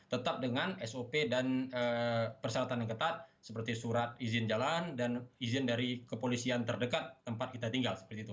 tetap dengan sop dan persyaratan yang ketat seperti surat izin jalan dan izin dari kepolisian terdekat tempat kita tinggal